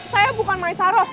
saya bukan maisaroh